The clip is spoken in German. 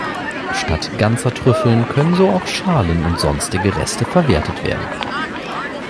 Statt ganzer Trüffeln können so auch Schalen und sonstige Reste verwertet werden.